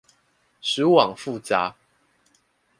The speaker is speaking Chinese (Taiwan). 食物網複雜